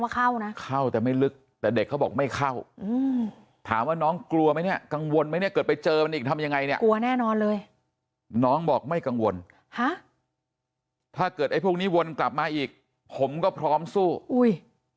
เข้านะเข้าแต่ไม่ลึกแต่เด็กเขาบอกไม่เข้าอืมถามว่าน้องกลัวไหมเนี่ยกังวลไหมเนี่ยเกิดไปเจอมันอีกทำยังไงเนี่ยกลัวแน่นอนเลยน้องบอกไม่กังวลฮะถ้าเกิดไอ้พวกนี้วนกลับมาอีกผมก็พร้อมสู้อุ้ย